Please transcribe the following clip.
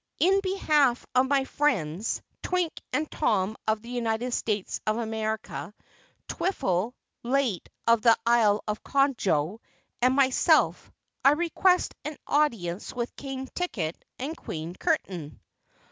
In behalf of my friends, Twink and Tom of the United States of America, Twiffle, late of the Isle of Conjo, and myself, I request an audience with King Ticket and Queen Curtain."